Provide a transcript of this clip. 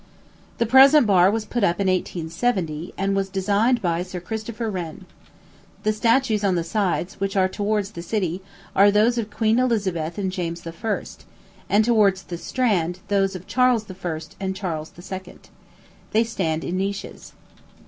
The present bar was put up in 1670, and was designed by Sir Christopher Wren. The statues on the sides, which are towards the city, are those of Queen Elizabeth and James I.; and towards the Strand, those of Charles I. and Charles II. They stand in niches.